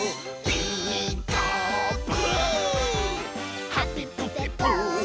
「ピーカーブ！」